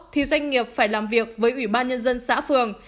thì doanh nghiệp phải làm việc với ủy ban nhân dân xã phường